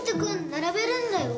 並べるんだよ。